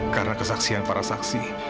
karena kesaksian para saksi